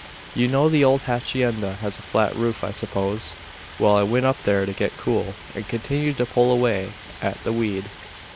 "You know the old hacienda has a flat roof, I suppose? Well, I went up there to get cool; and continued to pull away at the weed.